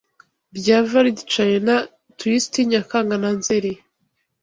Bya Valdichiana 'twixt Nyakanga na Nzeri